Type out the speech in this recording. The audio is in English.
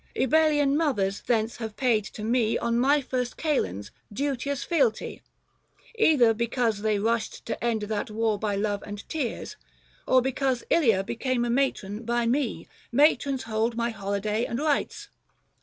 (Ebalian mothers thence have paid to me, On my first kalends, duteous fealty ; 245 Either because they rushed to end that war By love and tears ; or because Ilia Became a matron by me ; matrons hold My holiday and rites.